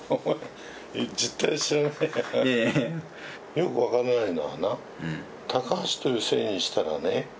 よく分からないのはな「高橋」という姓にしたらね